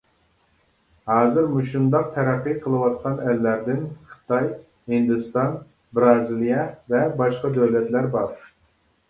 ھازىر مۇشۇنداق تەرەققىي قىلىۋاتقان ئەللەردىن خىتاي، ھىندىستان، بىرازىلىيە ۋە باشقا دۆلەتلەر بار.